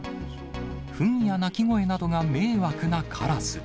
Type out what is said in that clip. ふんや鳴き声などが迷惑なカラス。